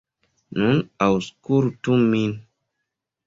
Nun aŭskultu min.